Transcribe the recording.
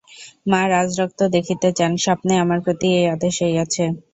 মা রাজরক্ত দেখিতে চান, স্বপ্নে আমার প্রতি এই আদেশ হইয়াছে।